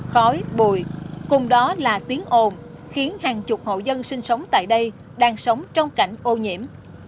khói bụi cùng đó là tiếng ồn khiến hàng chục hộ dân sinh sống tại đây đang sống trong cảnh ô nhiễm